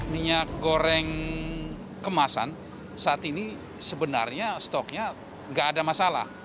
minyak goreng kemasan saat ini sebenarnya stoknya nggak ada masalah